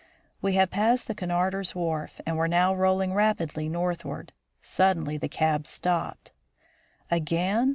We had passed the Cunarder's wharf, and were now rolling rapidly northward. Suddenly the cab stopped. "Again?"